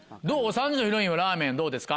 ３時のヒロインはラーメンどうですか？